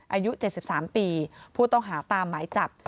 อายุ๗๓ปีผู้ต้องหาตามหมายจับ